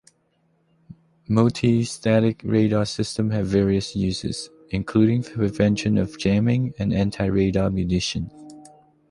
Multistatic radar systems have various uses, including prevention of jamming and anti-radar munitions.